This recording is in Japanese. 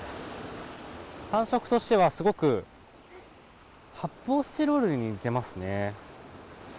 感触としてはすごく発泡スチロールに似てますね。